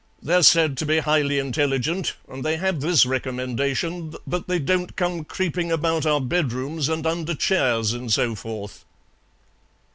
They're said to be highly intelligent, and they have this recommendation, that they don't come creeping about our bedrooms and under chairs, and so forth."